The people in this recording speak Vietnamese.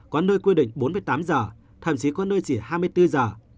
có nơi quy định bốn mươi tám giờ thậm chí có nơi chỉ hai mươi bốn giờ